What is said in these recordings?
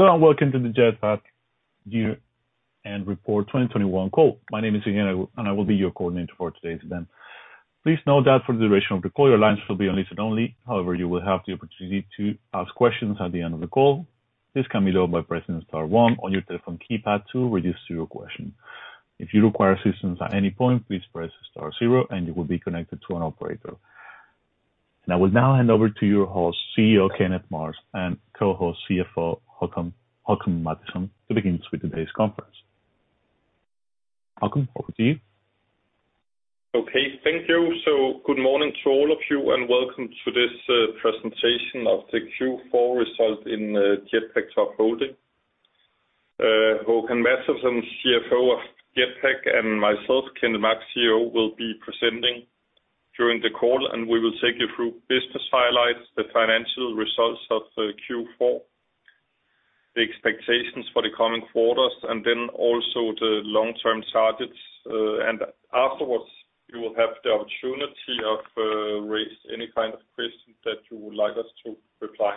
Hello, and welcome to the Jetpak year-end report 2021 call. My name is Adriana, and I will be your coordinator for today's event. Please note that for the duration of the call, your lines will be listen-only. However, you will have the opportunity to ask questions at the end of the call. This can be done by pressing Star one on your telephone keypad to request your question. If you require assistance at any point, please press Star zero, and you will be connected to an operator. I will now hand over to your host, CEO Kenneth Marx, and co-host CFO Håkan Mattisson, to begin with today's conference. Håkan, over to you. Okay, thank you. Good morning to all of you, and welcome to this presentation of the Q4 results in Jetpak Holding. Håkan Mattisson, CFO of Jetpak, and myself, Kenneth Marx, CEO, will be presenting during the call, and we will take you through business highlights, the financial results of Q4, the expectations for the coming quarters, and then also the long-term targets, and afterwards you will have the opportunity to raise any kind of questions that you would like us to reply.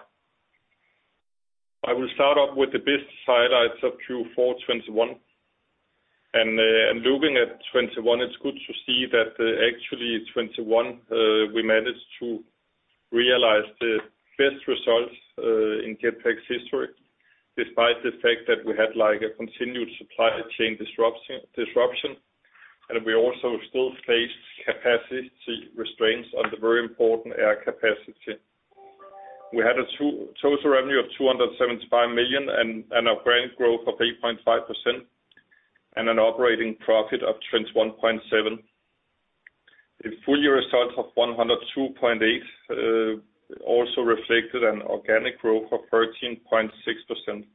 I will start off with the business highlights of Q4 2021. Looking at 2021, it's good to see that actually 2021 we managed to realize the best results in Jetpak's history, despite the fact that we had, like, a continued supply chain disruption. We also still faced capacity restraints on the very important air capacity. We had a total revenue of 275 million and organic growth of 8.5% and an operating profit of 21.7 million. The full-year result of 102.8 million also reflected an organic growth of 13.6%.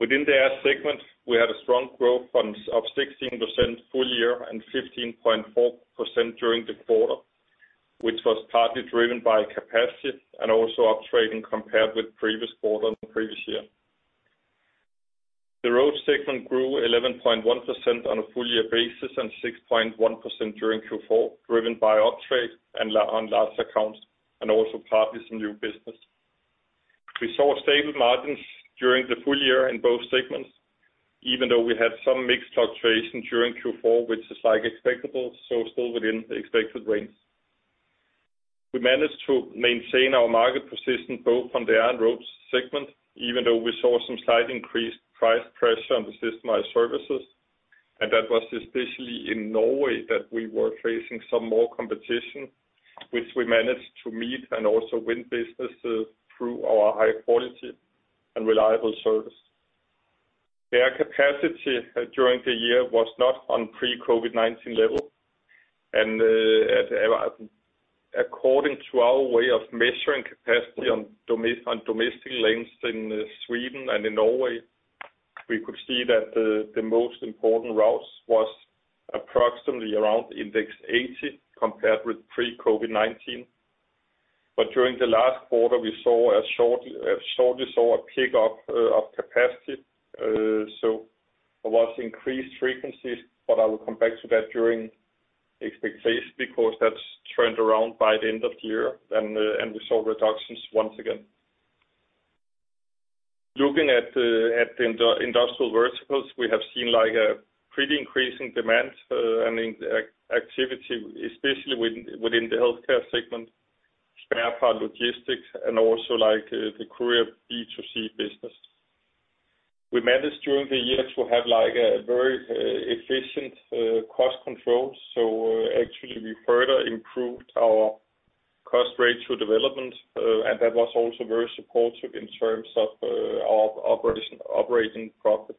Within the Air segment, we had a strong growth of 16% full-year and 15.4% during the quarter, which was partly driven by capacity and also uptrading compared with previous quarter and previous year. The Road segment grew 11.1% on a full year basis and 6.1% during Q4, driven by uptrade on large accounts and also partly some new business. We saw stable margins during the full-year in both segments, even though we had some mixed fluctuation during Q4, which is, like, expectable, so still within the expected range. We managed to maintain our market position both on the Air and Roads segment, even though we saw some slight increased price pressure on the systemized services. That was especially in Norway that we were facing some more competition, which we managed to meet and also win business through our high quality and reliable service. The air capacity during the year was not on pre-COVID-19 level. According to our way of measuring capacity on domestic lengths in Sweden and in Norway, we could see that the most important routes was approximately around index 80 compared with pre-COVID-19. During the last quarter, we saw shortly a pickup of capacity. There was increased frequencies, but I will come back to that during expectation because that's turned around by the end of the year and we saw reductions once again. Looking at industrial verticals, we have seen like a pretty increasing demand and activity, especially within the Healthcare segment, spare part logistics, and also like the courier B2C business. We managed during the year to have like a very efficient cost control. Actually we further improved our cost rate through development and that was also very supportive in terms of our operating profit.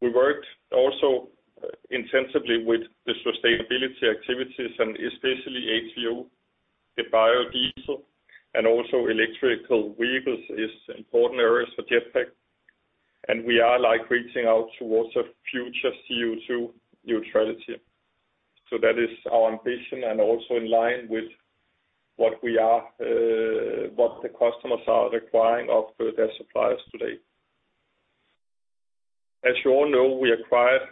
We worked also intensively with the sustainability activities and especially HVO, the biodiesel, and also electrical vehicles is important areas for Jetpak. We are like reaching out towards a future CO2 neutrality. That is our ambition and also in line with what we are, what the customers are requiring of their suppliers today. As you all know, we acquired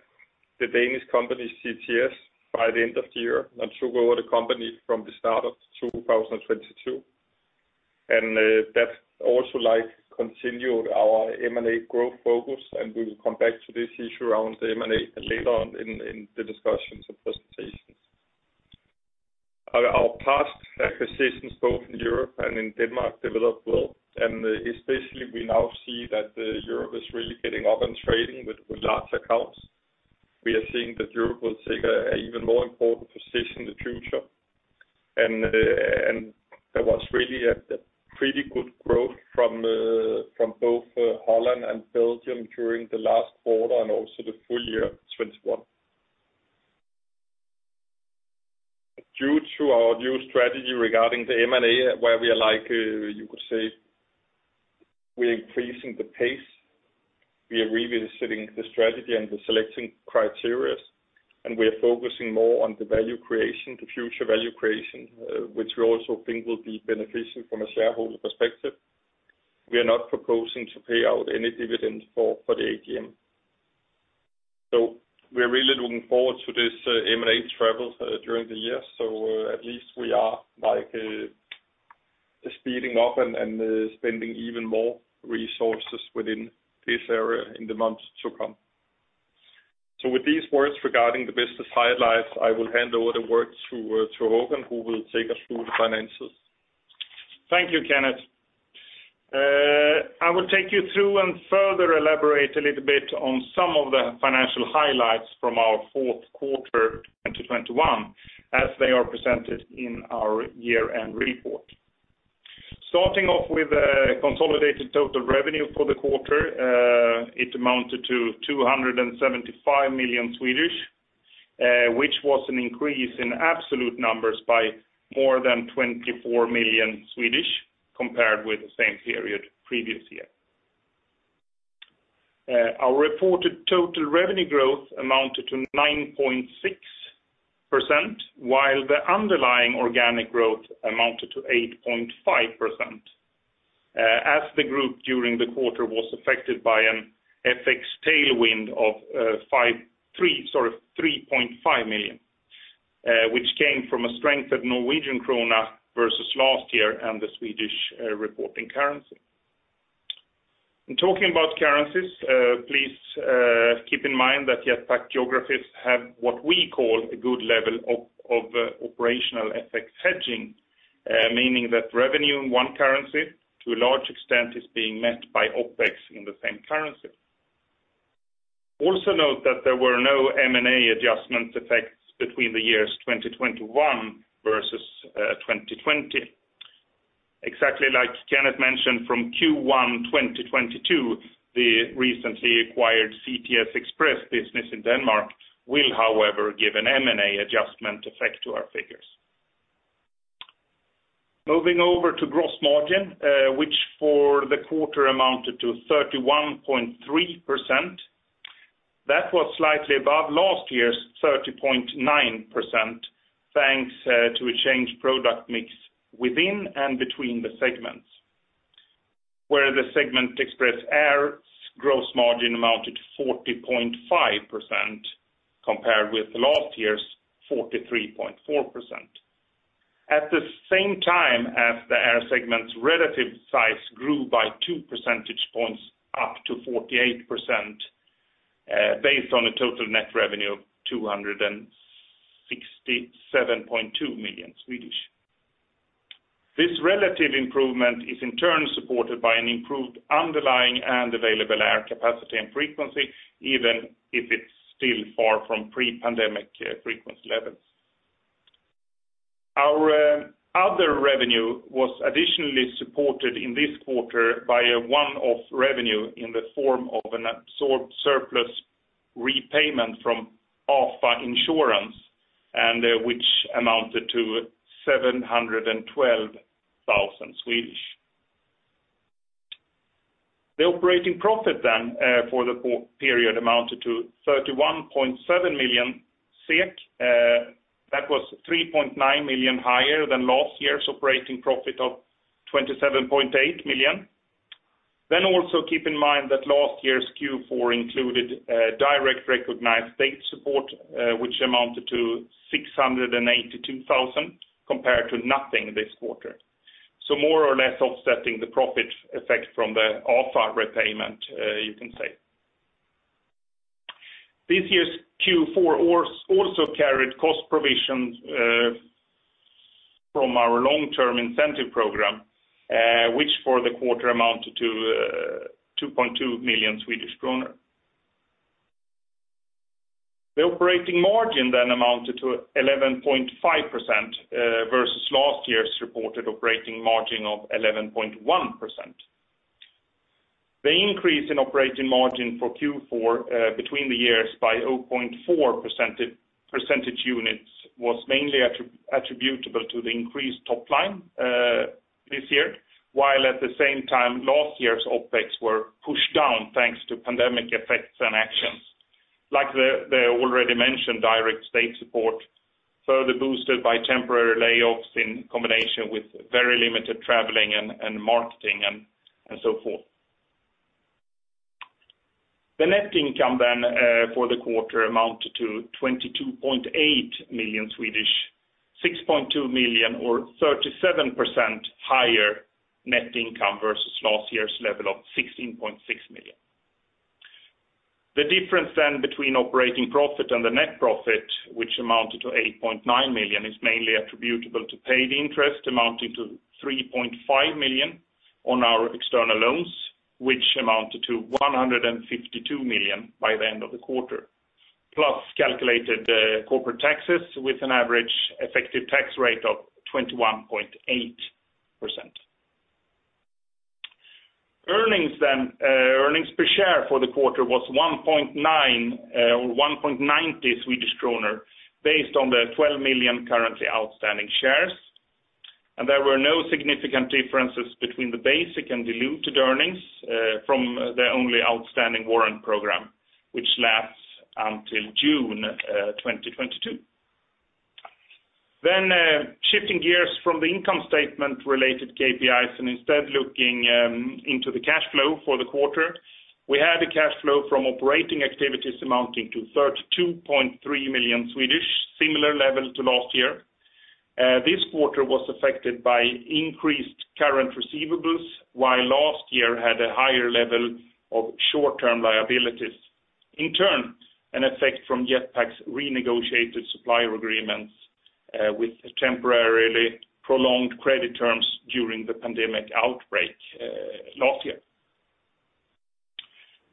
the Danish company CTS by the end of the year, and took over the company from the start of 2022. That also like continued our M&A growth focus, and we will come back to this issue around M&A later on in the discussions and presentations. Our past acquisitions both in Europe and in Denmark developed well. Especially we now see that Europe is really getting up and trading with large accounts. We are seeing that Europe will take an even more important position in the future. There was really a pretty good growth from both Holland and Belgium during the last quarter and also the full-year 2021. Due to our new strategy regarding the M&A, where we are like, you could say we're increasing the pace, we are revisiting the strategy and the selecting criteria, and we are focusing more on the value creation, the future value creation, which we also think will be beneficial from a shareholder perspective. We are not proposing to pay out any dividends for the AGM. We're really looking forward to this M&A travels during the year. At least we are like, speeding up and spending even more resources within this area in the months to come. With these words regarding the business highlights, I will hand over the words to Håkan, who will take us through the finances. Thank you, Kenneth. I will take you through and further elaborate a little bit on some of the financial highlights from our fourth quarter 2021 as they are presented in our year-end report. Starting off with consolidated total revenue for the quarter. It amounted to 275 million, which was an increase in absolute numbers by more than 24 million compared with the same period previous year. Our reported total revenue growth amounted to 9.6%, while the underlying organic growth amounted to 8.5%, as the group during the quarter was affected by an FX tailwind of three 3.5 Million, which came from a strength of Norwegian krona versus last year and the Swedish reporting currency. In talking about currencies, please, keep in mind that Jetpak geographies have what we call a good level of operational FX hedging, meaning that revenue in one currency to a large extent is being met by OpEx in the same currency. Also note that there were no M&A adjustment effects between the years 2021 versus 2020. Exactly like Kenneth mentioned from Q1 2022, the recently acquired CTS Express business in Denmark will however give an M&A adjustment effect to our figures. Moving over to gross margin, which for the quarter amounted to 31.3%. That was slightly above last year's 30.9%, thanks to a changed product mix within and between the segments. Where the segment Express Air's gross margin amounted 40.5% compared with last year's 43.4%. At the same time, as the air segment's relative size grew by 2% points up to 48%, based on a total net revenue of 267.2 million. This relative improvement is in turn supported by an improved underlying and available air capacity and frequency, even if it's still far from pre-pandemic frequency levels. Our other revenue was additionally supported in this quarter by a one-off revenue in the form of an absorbed surplus repayment from Afa Insurance and, which amounted to 712,000. The operating profit for the period amounted to 31.7 million SEK, that was 3.9 million higher than last year's operating profit of 27.8 million. Also keep in mind that last year's Q4 included direct recognized state support, which amounted to 682 thousand compared to nothing this quarter. More or less offsetting the profit effect from the Afa repayment, you can say. This year's Q4 also carried cost provisions from our long-term incentive program, which for the quarter amounted to SEK 2.2 million. The operating margin then amounted to 11.5%, versus last year's reported operating margin of 11.1%. The increase in operating margin for Q4 between the years by 0.4% units was mainly attributable to the increased top line this year, while at the same time last year's OpEx were pushed down thanks to pandemic effects and actions. Already mentioned direct state support further boosted by temporary layoffs in combination with very limited traveling and marketing and so forth. The net income for the quarter amounted to 22.8 million, 6.2 million or 37% higher net income versus last year's level of 16.6 million. The difference between operating profit and the net profit, which amounted to 8.9 million, is mainly attributable to paid interest amounting to 3.5 million on our external loans, which amounted to 152 million by the end of the quarter, plus calculated corporate taxes with an average effective tax rate of 21.8%. Earnings, then, earnings per share for the quarter was 1.9 or 1.90 Swedish kronor based on the 12 million currently outstanding shares. There were no significant differences between the basic and diluted earnings from the only outstanding warrant program, which lasts until June 2022. Shifting gears from the income statement related KPIs and instead looking into the cash flow for the quarter. We had a cash flow from operating activities amounting to 32.3 million SEK, similar level to last year. This quarter was affected by increased current receivables, while last year had a higher level of short-term liabilities. In turn, an effect from Jetpak's renegotiated supplier agreements with temporarily prolonged credit terms during the pandemic outbreak last year.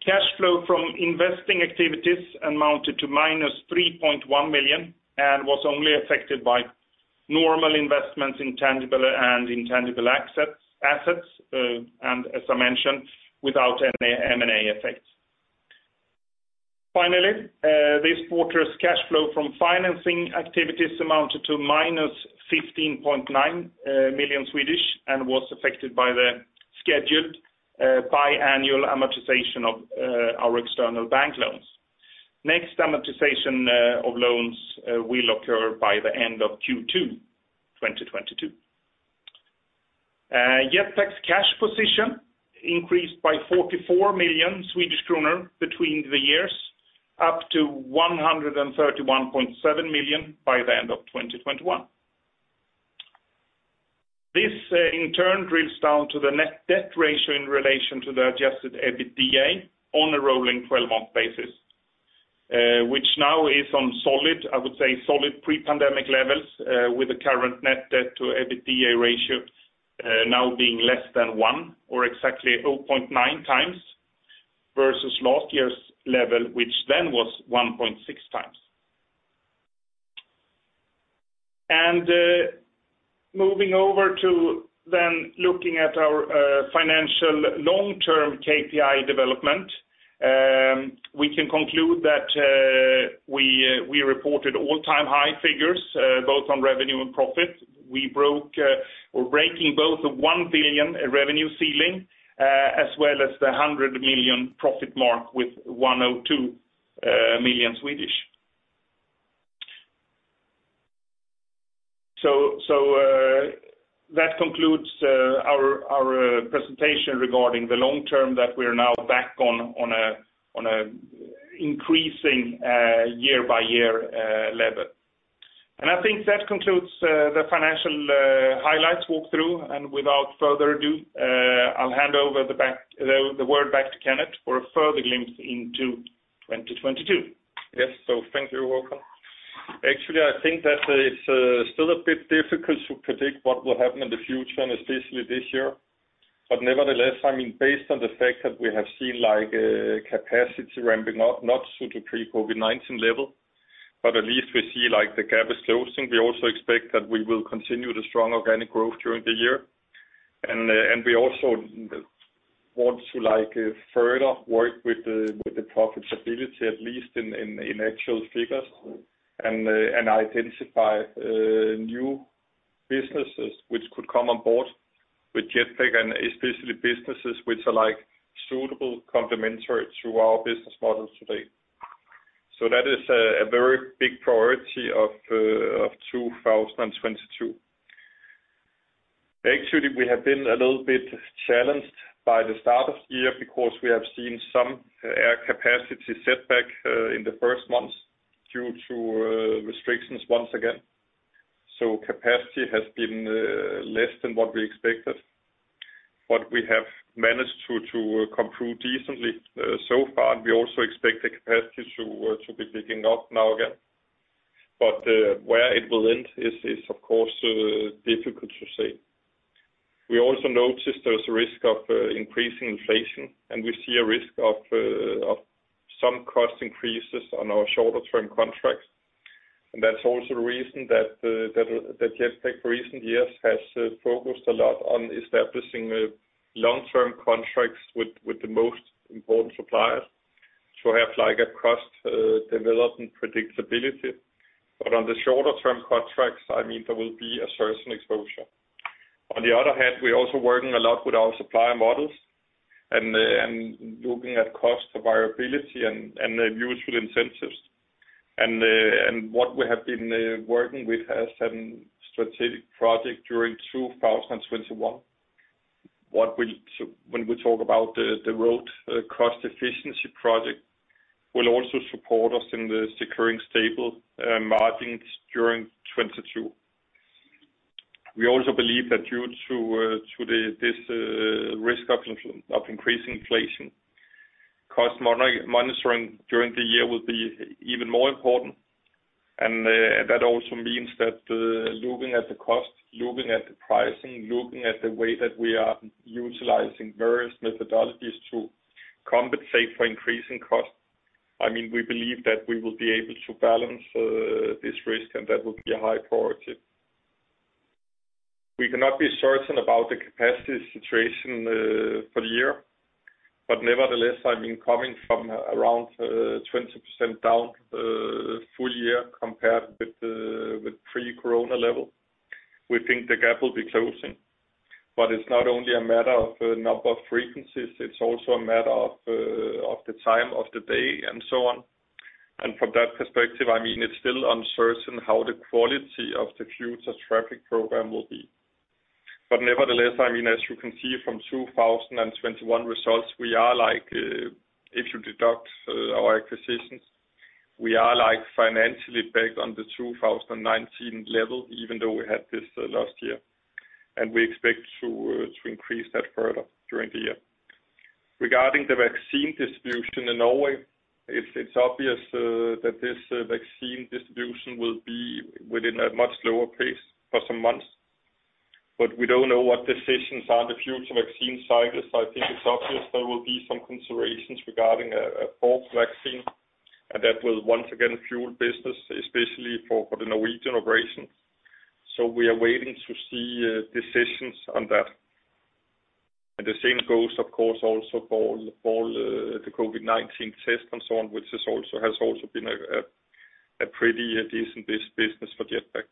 Cash flow from investing activities amounted to -3.1 million, and was only affected by normal investments in tangible and intangible assets, and as I mentioned, without any M&A effects. Finally, this quarter's cash flow from financing activities amounted to -15.9 million, and was affected by the scheduled biannual amortization of our external bank loans. Next amortization of loans will occur by the end of Q2 2022. Jetpak's cash position increased by 44 million Swedish kronor between the years, up to 131.7 million by the end of 2021. This in turn drills down to the net debt ratio in relation to the adjusted EBITDA on a rolling 12-month basis, which now is on solid, I would say solid pre-pandemic levels, with the current net debt to EBITDA ratio now being less than one, or exactly 0.9x versus last year's level, which then was 1.6x. Moving over to then looking at our financial long-term KPI development, we can conclude that we reported all-time high figures both on revenue and profit. We're breaking both the 1 billion revenue ceiling as well as the 100 million profit mark with 102 million Swedish. That concludes our presentation regarding the long-term that we're now back on an increasing year-by-year level. I think that concludes the financial highlights walkthrough. Without further ado, I'll hand the word back to Kenneth for a further glimpse into 2022. Yes. Thank you, Håkan. Actually, I think that it's still a bit difficult to predict what will happen in the future, and especially this year. Nevertheless, I mean, based on the fact that we have seen like capacity ramping up, not to the pre-COVID-19 level, but at least we see like the gap is closing. We also expect that we will continue the strong organic growth during the year. And we also want to like further work with the profit stability, at least in actual figures, and identify new businesses which could come on board with Jetpak and especially businesses which are like suitable complementary to our business models today. That is a very big priority of 2022. Actually, we have been a little bit challenged by the start of year because we have seen some air capacity setback in the first months due to restrictions once again. Capacity has been less than what we expected. We have managed to come through decently so far, and we also expect the capacity to be picking up now again. Where it will end is of course difficult to say. We also noticed there's a risk of increasing inflation, and we see a risk of some cost increases on our shorter term contracts. That's also the reason that Jetpak recent years has focused a lot on establishing long-term contracts with the most important suppliers to have like a cost development predictability. On the shorter-term contracts, I mean, there will be a certain exposure. On the other hand, we're also working a lot with our supplier models and looking at cost variability and the usual incentives. What we have been working with as some strategic project during 2021, so when we talk about the road cost efficiency project will also support us in the securing stable margins during 2022. We also believe that due to this risk of increasing inflation, cost monitoring during the year will be even more important. That also means that looking at the cost, looking at the pricing, looking at the way that we are utilizing various methodologies to compensate for increasing costs, I mean, we believe that we will be able to balance this risk and that will be a high priority. We cannot be certain about the capacity situation for the year, but nevertheless, I mean, coming from around 20% down, full year compared with pre-corona level, we think the gap will be closing. It's not only a matter of number of frequencies, it's also a matter of the time of the day, and so on. From that perspective, I mean, it's still uncertain how the quality of the future traffic program will be. Nevertheless, I mean, as you can see from 2021 results, we are like, if you deduct our acquisitions, we are like financially back on the 2019 level, even though we had this last year. We expect to increase that further during the year. Regarding the vaccine distribution in Norway, it's obvious that this vaccine distribution will be within a much lower pace for some months. We don't know what decisions on the future vaccine cycles. I think it's obvious there will be some considerations regarding a fourth vaccine, and that will once again fuel business, especially for the Norwegian operations. We are waiting to see decisions on that. The same goes, of course, also for all the COVID-19 tests and so on, which is also, has also been a pretty decent business for Jetpak.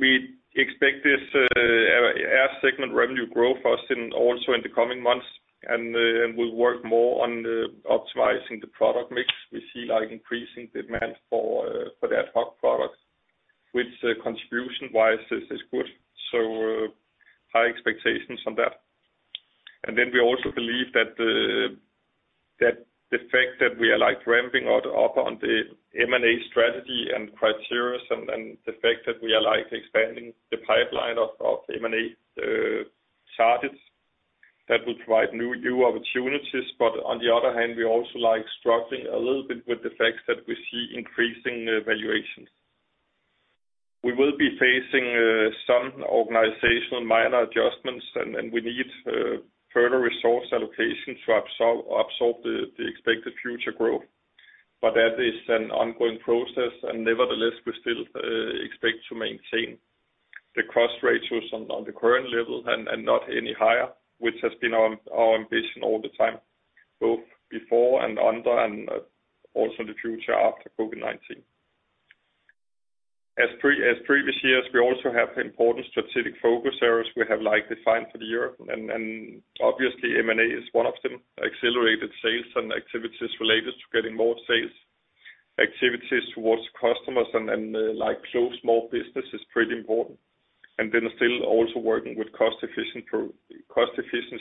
We expect this Air segment revenue growth for us in also in the coming months, and we'll work more on optimizing the product mix. We see, like, increasing demand for the ad hoc products, which contribution-wise is good. High expectations on that. We also believe that the fact that we are, like, ramping up on the M&A strategy and criteria, and the fact that we are, like, expanding the pipeline of M&A targets that will provide new opportunities. On the other hand, we're also, like, struggling a little bit with the fact that we see increasing valuations. We will be facing some organizational minor adjustments, and we need further resource allocation to absorb the expected future growth. That is an ongoing process. Nevertheless, we still expect to maintain the cost ratios on the current level and not any higher, which has been our ambition all the time, both before and under, and also in the future after COVID-19. As previous years, we also have important strategic focus areas, like, defined for the year. Obviously M&A is one of them. Accelerated sales and activities related to getting more sales. Activities towards customers and, like, close more business is pretty important. Still also working with cost efficiency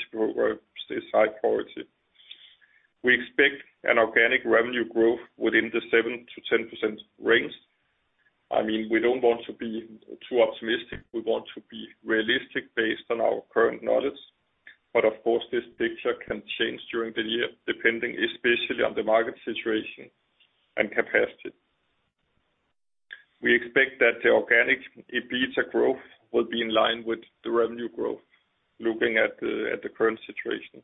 stays high priority. We expect an organic revenue growth within the 7%-10% range. I mean, we don't want to be too optimistic. We want to be realistic based on our current knowledge. Of course, this picture can change during the year, depending especially on the market situation and capacity. We expect that the organic EBITDA growth will be in line with the revenue growth looking at the current situation.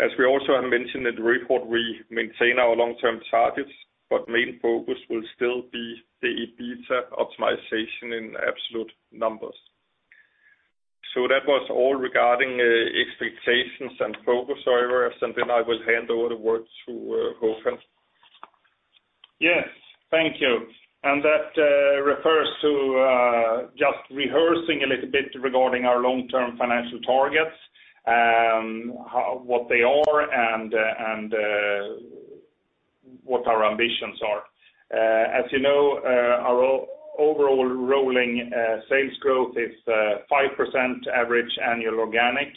As we also have mentioned in the report, we maintain our long-term targets, but main focus will still be the EBITDA optimization in absolute numbers. That was all regarding expectations and focus areas, and then I will hand over the word to Håkan. Yes. Thank you. That refers to just rehearsing a little bit regarding our long-term financial targets, what they are and what our ambitions are. As you know, our overall rolling sales growth is 5% average annual organic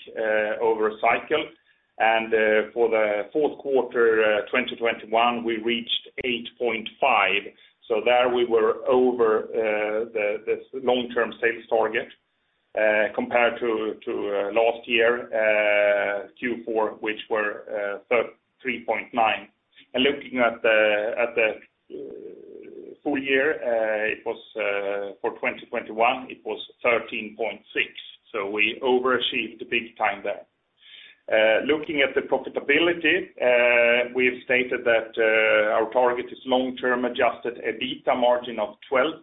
over a cycle. For the fourth quarter, 2021, we reached 8.5%. There we were over the long-term sales target compared to last year Q4, which were 3.9%. Looking at the full-year, it was for 2021, it was 13.6%. We overachieved big time there. Looking at the profitability, we have stated that our target is long-term adjusted EBITDA margin of 12%.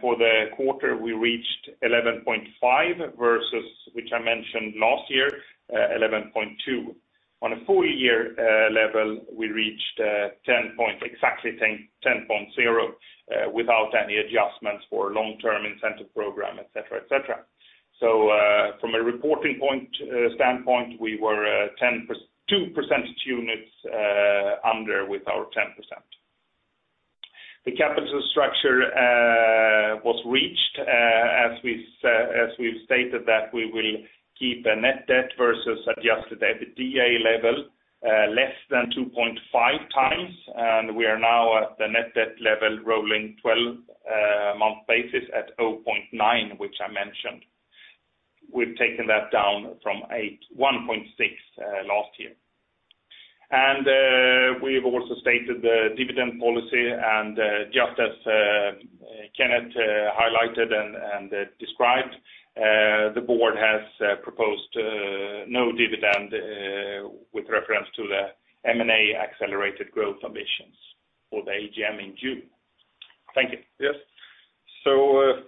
For the quarter, we reached 11.5% versus, which I mentioned last year, 11.2%. On a full-year level, we reached exactly 10.0 without any adjustments for long-term incentive program, et cetera, et cetera. From a reporting standpoint, we were 2% units under with our 10%. The capital structure was reached as we've stated that we will keep a net debt versus adjusted EBITDA level less than 2.5x, and we are now at the net debt level rolling 12-month basis at 0.9, which I mentioned. We've taken that down from 1.6x last year. We have also stated the dividend policy, and just as Kenneth highlighted and described, the board has proposed no dividend with reference to the M&A accelerated growth ambitions for the AGM in June. Thank you. Yes.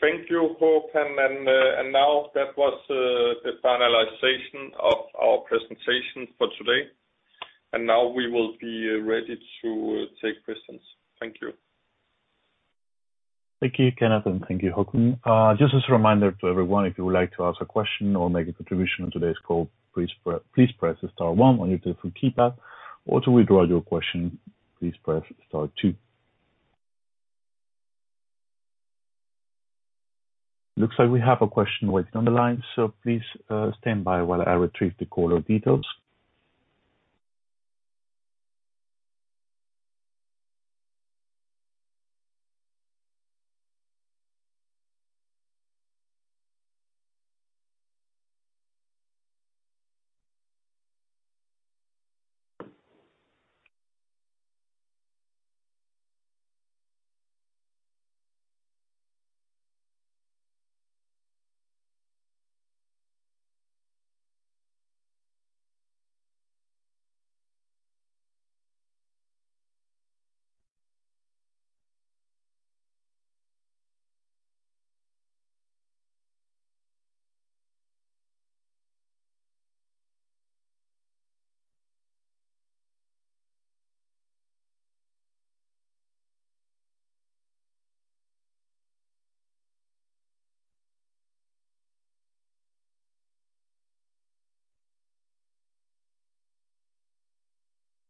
Thank you, Håkan. Now that was the finalization of our presentation for today. Now we will be ready to take questions. Thank you. Thank you, Kenneth, and thank you, Håkan. Just as a reminder to everyone, if you would like to ask a question or make a contribution on today's call, please press Star one on your telephone keypad, or to withdraw your question, please press Star two. Looks like we have a question waiting on the line, so please stand by while I retrieve the caller details.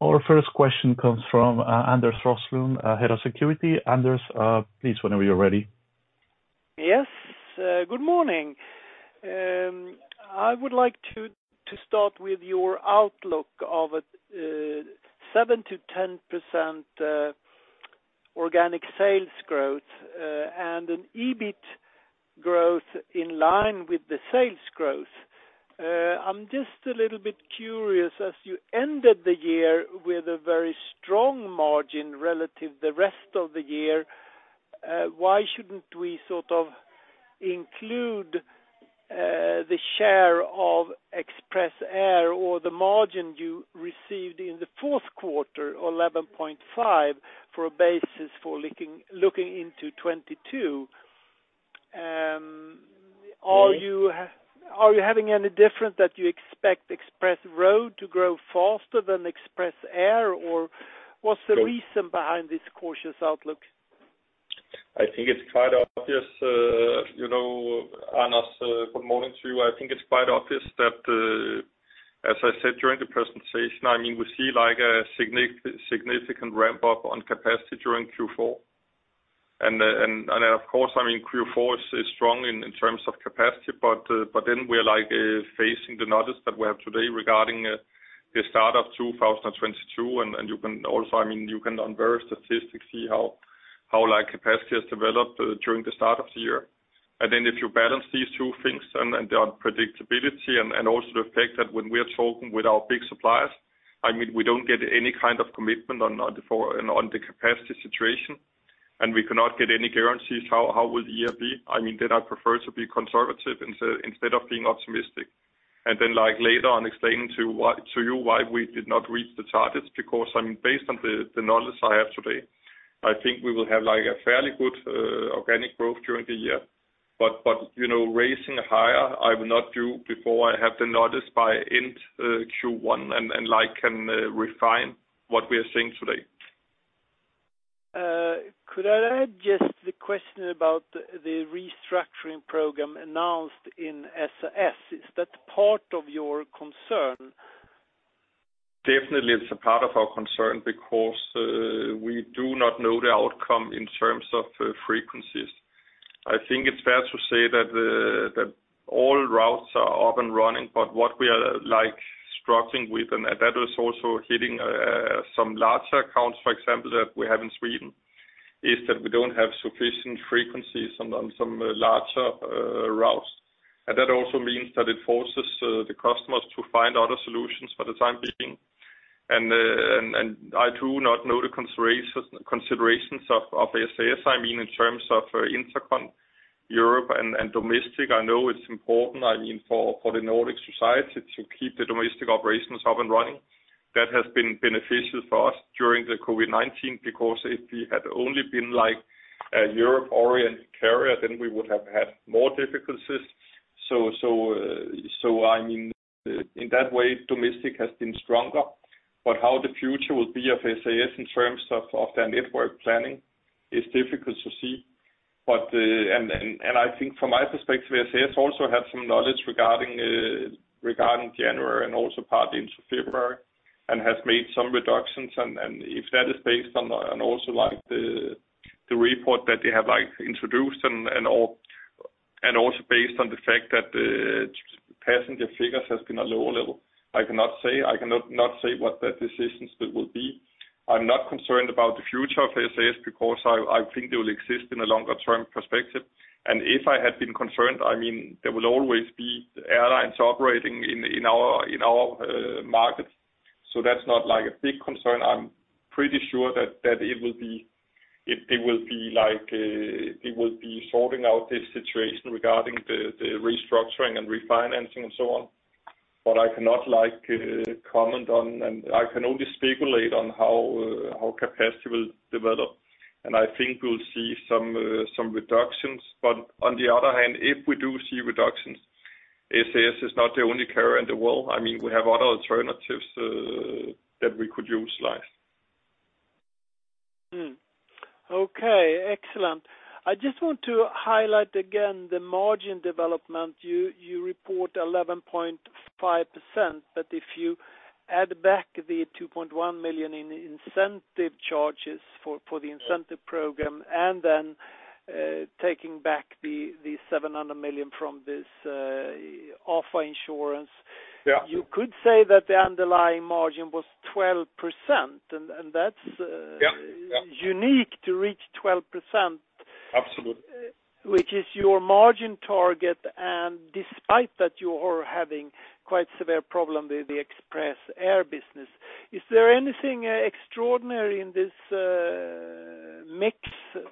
Our first question comes from Anders Roslund, Head of Security. Anders, please, whenever you're ready. Yes. Good morning. I would like to start with your outlook of a 7%-10% organic sales growth and an EBIT growth in line with the sales growth. I'm just a little bit curious, as you ended the year with a very strong margin relative to the rest of the year, why shouldn't we sort of include the share of Express Air or the margin you received in the fourth quarter, 11.5%, for a basis for looking into 2022? Are you having any difference that you expect Express Road to grow faster than Express Air? Or what's the reason behind this cautious outlook? I think it's quite obvious, you know, Anders, good morning to you. I think it's quite obvious that, as I said during the presentation, I mean, we see like a significant ramp-up on capacity during Q4. Of course, I mean, Q4 is strong in terms of capacity, but then we're like facing the numbers that we have today regarding the start of 2022. You can also, I mean, you can on various statistics see how like capacity has developed during the start of the year. Then if you balance these two things and the unpredictability and also the fact that when we are talking with our big suppliers, I mean, we don't get any kind of commitment on the capacity situation, and we cannot get any guarantees how the year will be. I mean, then I prefer to be conservative instead of being optimistic. Like, later on explaining to you why we did not reach the targets, because, I mean, based on the numbers I have today, I think we will have, like, a fairly good organic growth during the year. But you know, raising higher, I will not do before I have the numbers by end Q1 and can refine what we are seeing today. Could I add just the question about the restructuring program announced in SAS? Is that part of your concern? Definitely it's a part of our concern because we do not know the outcome in terms of frequencies. I think it's fair to say that all routes are up and running, but what we are, like, struggling with, and that is also hitting some larger accounts, for example, that we have in Sweden, is that we don't have sufficient frequencies on some larger routes. That also means that it forces the customers to find other solutions for the time being. I do not know the considerations of SAS. I mean, in terms of intra-Europe and domestic, I know it's important, I mean, for the Nordic society to keep the domestic operations up and running. That has been beneficial for us during the COVID-19, because if we had only been like a Europe-oriented carrier, then we would have had more difficulties. I mean, in that way, domestic has been stronger. How the future will be of SAS in terms of their network planning is difficult to see. I think from my perspective, SAS also have some knowledge regarding January and also partly into February, and has made some reductions. If that is based on and also like the report that they have like introduced and also based on the fact that passenger figures has been a lower level, I cannot say what their decisions there will be. I'm not concerned about the future of SAS because I think they'll exist in a longer term perspective. If I had been concerned, I mean, there will always be airlines operating in our markets. That's not like a big concern. I'm pretty sure that it will be like, it will be sorting out this situation regarding the restructuring and refinancing and so on. But I cannot like comment on, and I can only speculate on how capacity will develop. I think we'll see some reductions. But on the other hand, if we do see reductions. SAS is not the only carrier in the world. I mean, we have other alternatives that we could use, like. Okay, excellent. I just want to highlight again the margin development. You report 11.5%, but if you add back the 2.1 million in incentive charges for the incentive program, and then taking back the 700 million from this Afa Insurance- Yeah. you could say that the underlying margin was 12%, and that's Yeah, yeah. Unique to reach 12%. Absolutely. Which is your margin target, and despite that you are having quite severe problem with the Express Air business. Is there anything extraordinary in this mix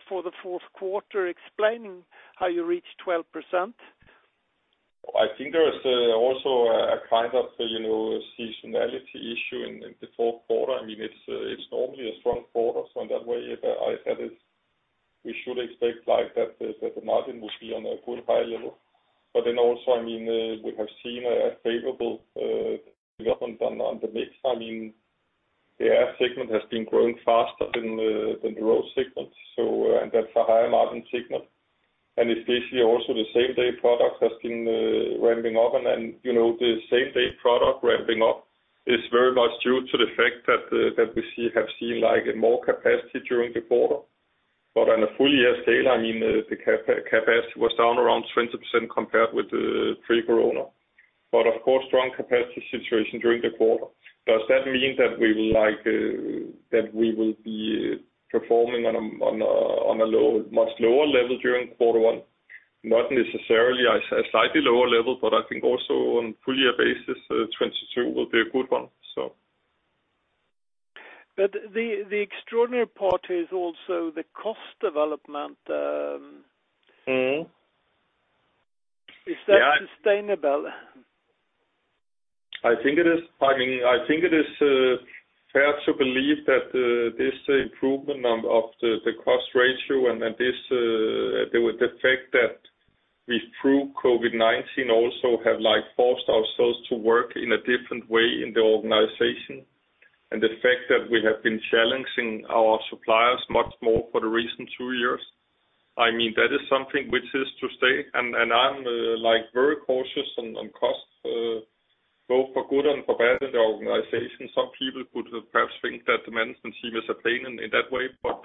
for the fourth quarter explaining how you reach 12%? I think there is also a kind of, you know, seasonality issue in the fourth quarter. I mean, it's normally a strong quarter, so in that way, I said it, we should expect like the margin will be on a good high level. Then also, I mean, we have seen a favorable development on the mix. I mean, the air segment has been growing faster than the Road segment, and that's a higher margin segment. Especially also the same-day product has been ramping up. Then, you know, the same-day product ramping up is very much due to the fact that we have seen like more capacity during the quarter. On a full-year scale, I mean, the capacity was down around 20% compared with pre-corona. Of course, strong capacity situation during the quarter. Does that mean that we will like be performing on a much lower level during quarter one? Not necessarily a slightly lower level, but I think also on full-year basis, 2022 will be a good one. The extraordinary part is also the cost development. Is that sustainable? I think it is. I mean, I think it is fair to believe that this improvement of the cost ratio and then this, the fact that we through COVID-19 also have like forced ourselves to work in a different way in the organization. The fact that we have been challenging our suppliers much more for the recent two years. I mean, that is something which is to stay. I'm like very cautious on costs both for good and for bad in the organization. Some people would perhaps think that the management team is a pain in that way, but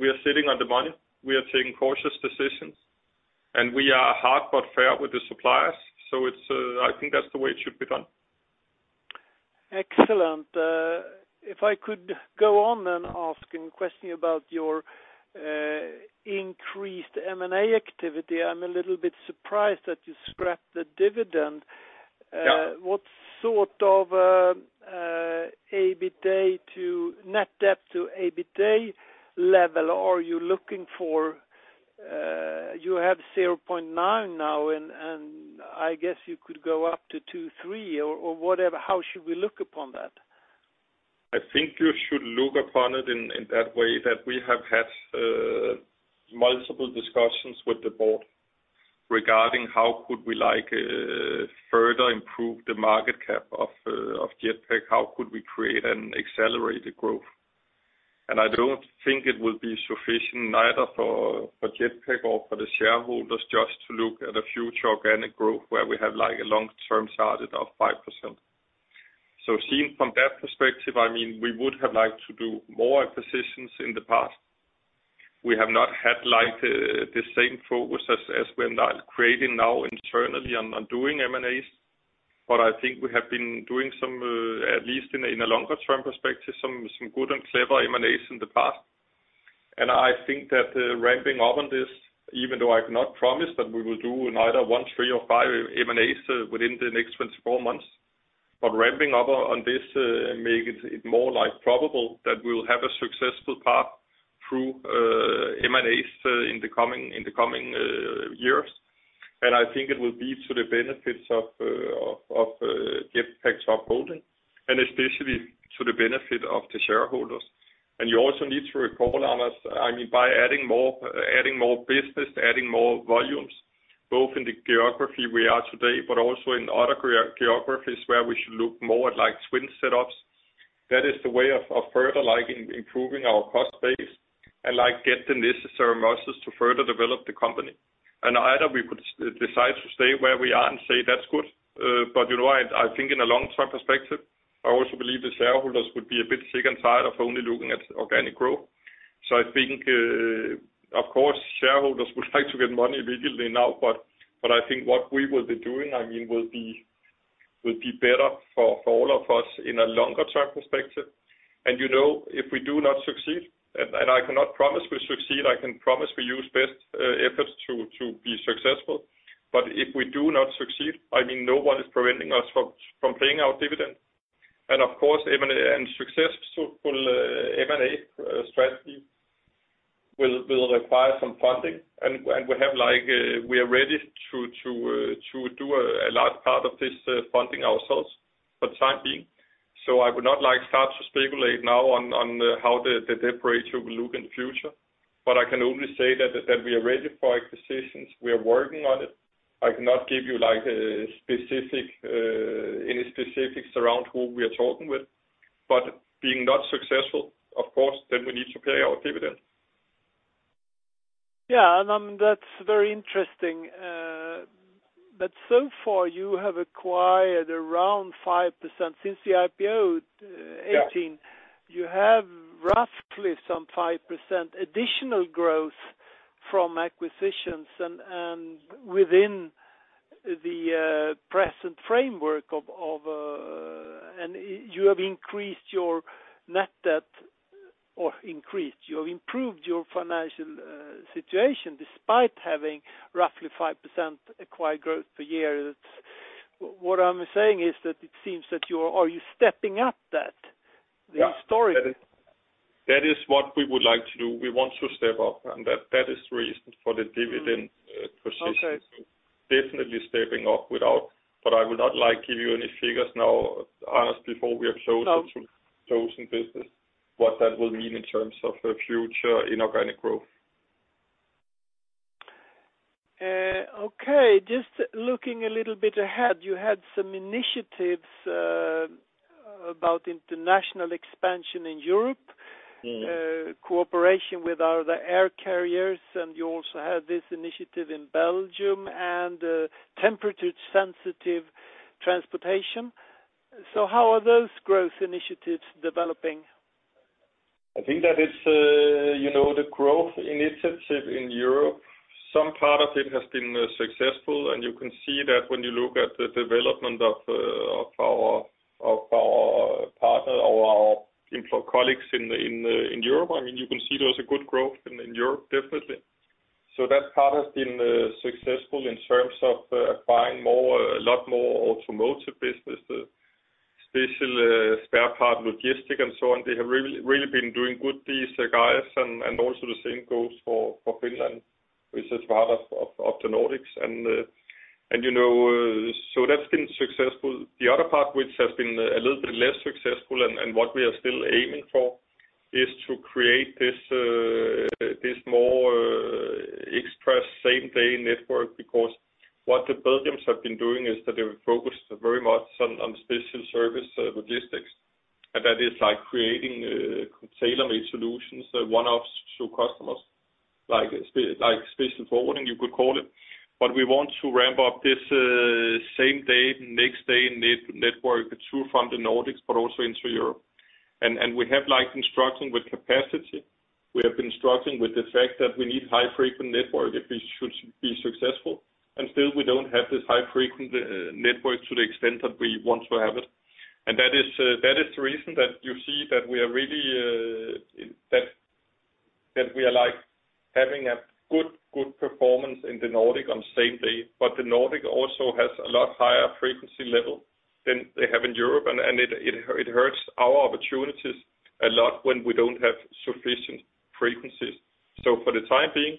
we are sitting on the money. We are taking cautious decisions, and we are hard but fair with the suppliers. It's, I think, that's the way it should be done. Excellent. If I could go on and ask a question about your increased M&A activity. I'm a little bit surprised that you scrapped the dividend. Yeah. What sort of EBITA to net debt to EBITA level are you looking for? You have 0.9x now and I guess you could go up to 2%-3% or whatever. How should we look upon that? I think you should look upon it in that way that we have had multiple discussions with the board regarding how could we like further improve the market cap of Jetpak, how could we create an accelerated growth. I don't think it will be sufficient either for Jetpak or for the shareholders just to look at a future organic growth where we have like a long-term target of 5%. Seen from that perspective, I mean, we would have liked to do more acquisitions in the past. We have not had like the same focus as we are now creating internally on doing M&As, but I think we have been doing some at least in a longer term perspective, some good and clever M&As in the past. I think that ramping up on this, even though I cannot promise that we will do neither one, three or five M&As within the next 24 months. Ramping up on this makes it more, like, probable that we will have a successful path through M&As in the coming years. I think it will be to the benefits of Jetpak Top Holding and especially to the benefit of the shareholders. You also need to recall, Anders, I mean, by adding more business, adding more volumes, both in the geography we are today, but also in other geographies where we should look more at like twin setups. That is the way of further, like, improving our cost base and, like, get the necessary muscles to further develop the company. Either we could decide to stay where we are and say that's good, but you know what? I think in the long-term perspective, I also believe the shareholders would be a bit sick and tired of only looking at organic growth. I think, of course, shareholders would like to get money immediately now, but I think what we will be doing, I mean, will be better for all of us in a longer-term perspective. You know, if we do not succeed, and I cannot promise we succeed, I can promise we use best efforts to be successful. But if we do not succeed, I mean, no one is preventing us from paying our dividend. Of course, M&A and successful M&A strategy will require some funding. We have like we are ready to do a large part of this funding ourselves for the time being. I would not like to start to speculate now on how the debt ratio will look in the future. I can only say that we are ready for acquisitions, we are working on it. I cannot give you like any specifics around who we are talking with. If not successful, of course, then we need to pay our dividend. That's very interesting. So far you have acquired around 5% since the IPO 2018. Yeah. You have roughly some 5% additional growth from acquisitions and within the present framework of. You have improved your financial situation despite having roughly 5% acquired growth per year. What I'm saying is that it seems that you're. Are you stepping up that? Yeah. the story? That is what we would like to do. We want to step up, and that is the reason for the dividend position. Okay. Definitely stepping up without. I would not like to give you any figures now, Anders before we have chosen- No. chosen business, what that will mean in terms of a future inorganic growth. Okay. Just looking a little bit ahead, you had some initiatives about international expansion in Europe. Cooperation with other air carriers, and you also have this initiative in Belgium and temperature sensitive transportation. How are those growth initiatives developing? I think that it's, you know, the growth initiative in Europe, some part of it has been successful, and you can see that when you look at the development of our colleagues in Europe. I mean, you can see there's a good growth in Europe, definitely. That part has been successful in terms of acquiring more, a lot more automotive business, special spare parts logistics and so on. They have really been doing good, these guys, and also the same goes for Finland, which is part of the Nordics. You know, that's been successful. The other part which has been a little bit less successful and what we are still aiming for is to create this more express same-day network. Because what the Belgians have been doing is that they're focused very much on special service logistics. That is like creating tailor-made solutions, one-offs to customers, like special forwarding, you could call it. We want to ramp up this same day, next day network through from the Nordics, but also into Europe. We have been struggling with capacity. We have been struggling with the fact that we need high frequent network if we should be successful. Still, we don't have this high frequent network to the extent that we want to have it. That is the reason that you see that we are really like having a good performance in the Nordic on same day. The Nordic also has a lot higher frequency level than they have in Europe, and it hurts our opportunities a lot when we don't have sufficient frequencies. For the time being,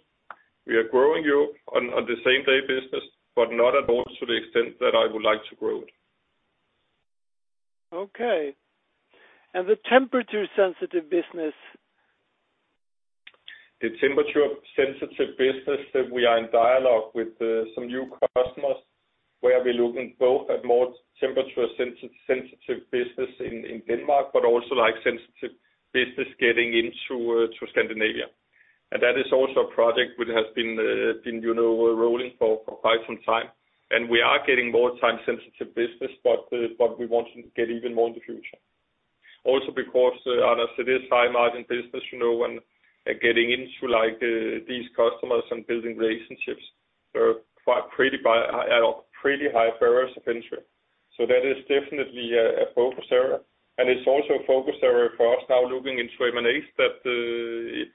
we are growing in Europe on the same-day business, but not at all to the extent that I would like to grow it. Okay. The Temperature-Sensitive business? The Temperature-Sensitive business that we are in dialogue with, some new customers, where we're looking both at more Temperature-Sensitive business in Denmark, but also like sensitive business getting into Scandinavia. That is also a project which has been, you know, rolling for quite some time. We are getting more time-sensitive business, but we want to get even more in the future. Also because, Anders, it is high-margin business, you know, when getting into like these customers and building relationships are quite pricey, but at a pretty high barriers to entry. That is definitely a focus area. It's also a focus area for us now looking into M&As that,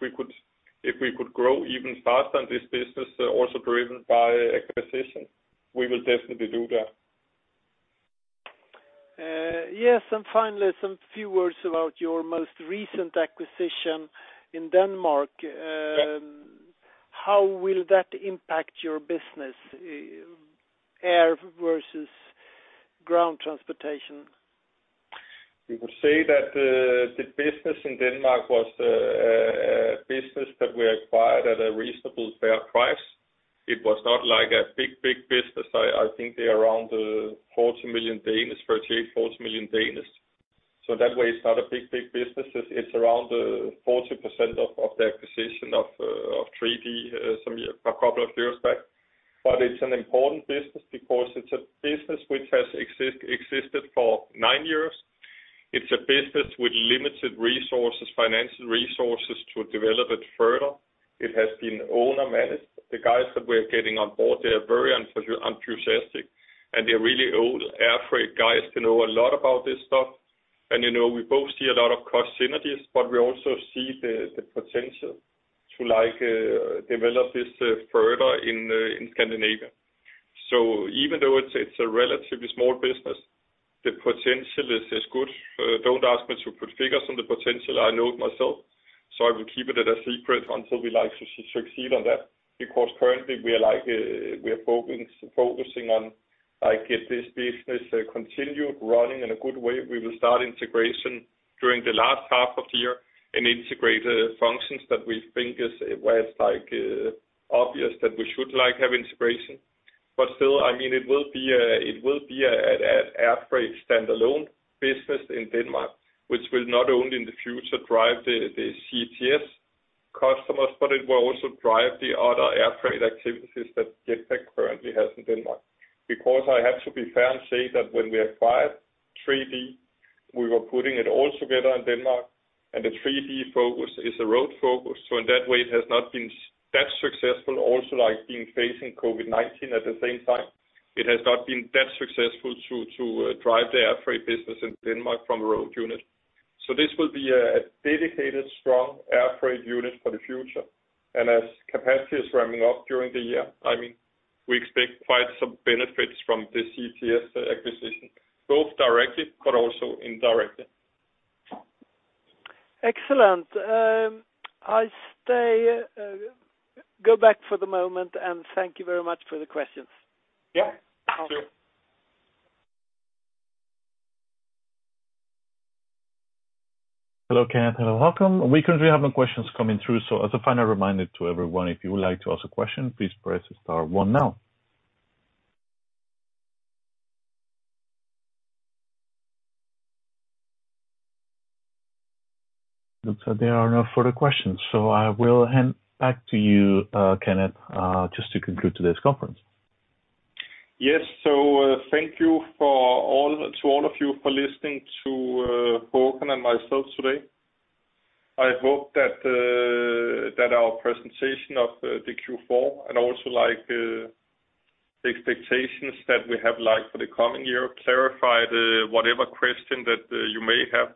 if we could grow even faster in this business, also driven by acquisition, we will definitely do that. Yes. Finally, some few words about your most recent acquisition in Denmark. Yes. How will that impact your business, air versus ground transportation? We could say that the business in Denmark was a business that we acquired at a reasonable fair price. It was not like a big business. I think they're around 40 million, 38 million-40 million. That way, it's not a big business. It's around 40% of the acquisition of 3D some year, a couple of years back. It's an important business because it's a business which has existed for nine years. It's a business with limited resources, financial resources to develop it further. It has been owner-managed. The guys that we're getting on board, they are very enthusiastic, and they're really old air freight guys. They know a lot about this stuff. You know, we both see a lot of cost synergies, but we also see the potential to like develop this further in Scandinavia. Even though it's a relatively small business, the potential is good. Don't ask me to put figures on the potential. I know it myself. So I will keep it a secret until we succeed on that because currently we are focusing on like get this business continued running in a good way. We will start integration during the last half of the year and integrate functions that we think is where it's like obvious that we should like have integration. Still, I mean, it will be an air freight standalone business in Denmark, which will not only in the future drive the CTS customers, but it will also drive the other air freight activities that Jetpak currently has in Denmark. Because I have to be fair and say that when we acquired 3D, we were putting it all together in Denmark, and the 3D focus is a road focus, so in that way it has not been that successful also like being facing COVID-19 at the same time. It has not been that successful to drive the air freight business in Denmark from a road unit. This will be a dedicated, strong air freight unit for the future. As capacity is ramping up during the year, I mean, we expect quite some benefits from the CTS acquisition, both directly but also indirectly. Excellent. Let's go back for the moment, and thank you very much for the questions. Yeah. Sure. Hello, Kenneth. Hello, Håkan. We currently have no questions coming through, so as a final reminder to everyone, if you would like to ask a question, please press Star one now. It looks like there are no further questions, so I will hand back to you, Kenneth, just to conclude today's conference. Yes. Thank you to all of you for listening to Håkan and myself today. I hope that our presentation of the Q4 and also, like, the expectations that we have, like, for the coming year clarified whatever question that you may have.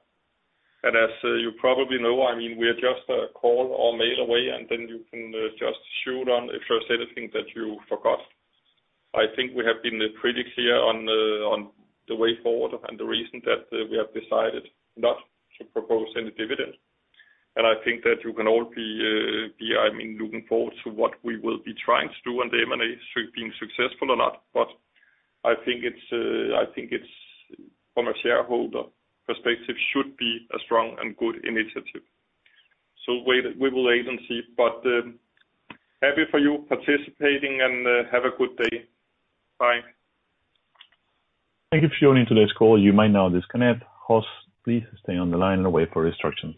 As you probably know, I mean, we are just a call or mail away, and then you can just shoot on if there's anything that you forgot. I think we have been pretty clear on the way forward and the reason that we have decided not to propose any dividend. I think that you can all be, I mean, looking forward to what we will be trying to do on the M&A being successful or not. I think it's from a shareholder perspective should be a strong and good initiative. We will wait and see. Happy for you participating, and have a good day. Bye. Thank you for joining today's call. You may now disconnect. Hosts, please stay on the line and wait for instructions.